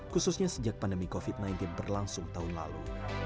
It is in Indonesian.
khususnya sejak pandemi covid sembilan belas berlangsung tahun lalu